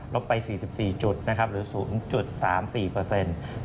ลบไป๔๔จุดหรือ๐๓๔